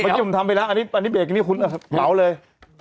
เมื่อกี้ผมทำไปแล้วอันนี้เบรกอันนี้คุ้นอ่ะหมาวเลย